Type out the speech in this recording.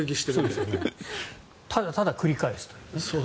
ただただ繰り返すという。